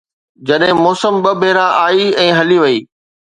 جڏهن موسم ٻه ڀيرا آئي ۽ هلي وئي